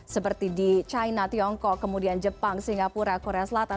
seperti di china tiongkok kemudian jepang singapura korea selatan